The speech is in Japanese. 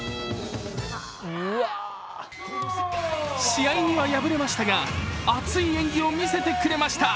試合には敗れましたが熱い演技を見せてくれました。